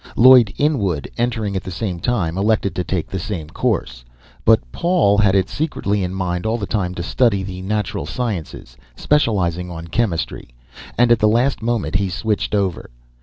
Lloyd Inwood, entering at the same time, elected to take the same course. But Paul had had it secretly in mind all the time to study the natural sciences, specializing on chemistry, and at the last moment he switched over.